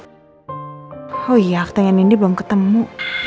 oh iya aktengan ini belum ketemu